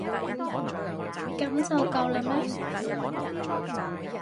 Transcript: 噉就夠喇咩？